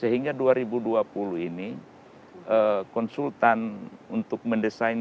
sehingga dua ribu dua puluh ini konsultan untuk mendesain